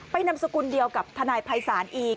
นามสกุลเดียวกับทนายภัยศาลอีก